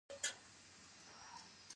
آیا د پښتو ویل زموږ ویاړ نه دی؟